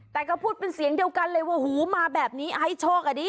แต่ก็พูดเป็นเสียงเดียวกันเลยว่าหูมาแบบนี้ให้โชคอ่ะดิ